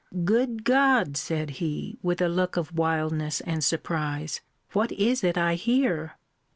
Good God! said he, with a look of wildness and surprise, what is it I hear?